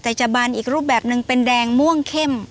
แต่จะบันอีกรูปแบบหนึ่งเป็นแดงม่วงเข้ม